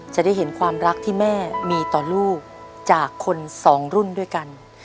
จะได้เห็นความรักที่แม่มีต่อลูกจากคนสองรุ่นด้วยกัน